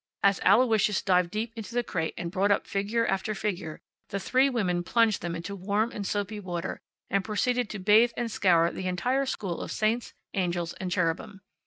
As Aloysius dived deep into the crate and brought up figure after figure, the three women plunged them into warm and soapy water and proceeded to bathe and scour the entire school of saints, angels, and cherubim.